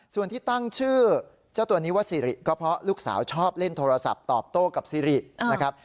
ส่วนที่ตั้งชื่อเจ้าตัวนี้ว่าสิริก็เพราะลูกสาวชอบเล่นโทรศัพท์ตอบโต้กับซิรินะครับ